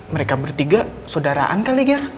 mereka bertiga sodaraan kali ya ger